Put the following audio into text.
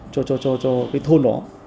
cho cho cho cho cái thôn đó